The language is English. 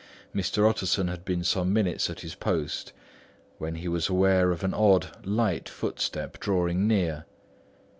Mr. Utterson had been some minutes at his post, when he was aware of an odd light footstep drawing near.